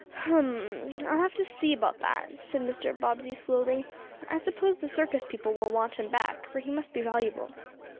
"Hum! I'll have to see about that," said Mr. Bobbsey slowly. "I suppose the circus people will want him back, for he must be valuable.